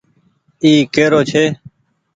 اي ڪيرو ڇي۔